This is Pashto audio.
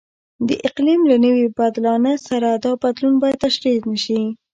د اقلیم له نوي بدلانه سره دا بدلون باید تشریح نشي.